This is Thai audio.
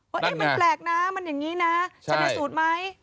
ว่าเอ๊ะมันแปลกนะมันอย่างนี้นะจะได้สูตรไหม